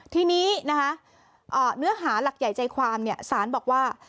ทีนี้นะคะเนื้อหาหลักใหญ่ใจความสารบอกว่า